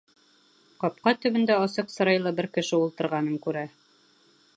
Ҡапҡа төбөндә асыҡ сырайлы бер кеше ултырғанын күрә.